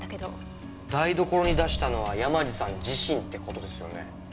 台所に出したのは山路さん自身って事ですよね。